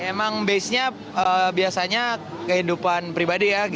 emang base nya biasanya kehidupan pribadi ya